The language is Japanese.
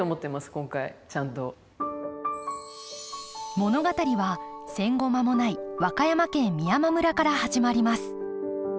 物語は戦後間もない和歌山県美山村から始まります。